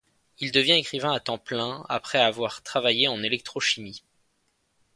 Il devient écrivain à temps plein après avoir travaillé en électrochimie.